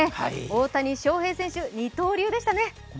大谷翔平選手、二刀流でしたね。